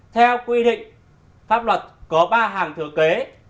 theo quy định pháp luật có ba hàng thừa kế